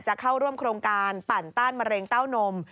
เข้าร่วมโครงการปั่นต้านมะเร็งเต้านม